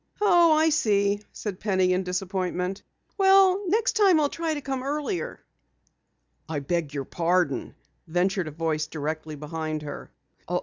"Oh, I see," said Penny in disappointment, "well, next time I'll try to come earlier." "I beg your pardon," ventured a voice directly behind her.